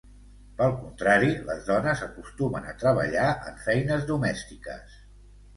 Pel contrari, les dones acostumen a treballar en feines domèstiques.